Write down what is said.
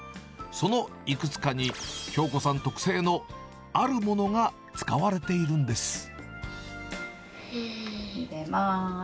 そのいくつかに、響子さん特製のあるものが使われているんです。